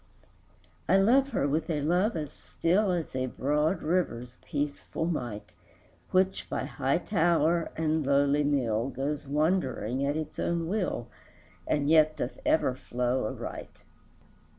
IX. I love her with a love as still As a broad river's peaceful might, Which, by high tower and lowly mill, Goes wandering at its own will, And yet doth ever flow aright.